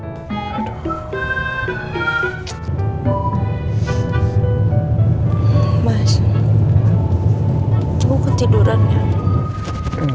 mas kamu masih tidakzeniu mesyuarat magendang